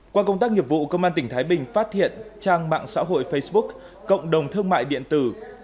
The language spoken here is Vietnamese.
qua công tác nghiệp vụ công an tỉnh thái bình phát hiện trang mạng xã hội facebook cộng đồng thương mại điện tử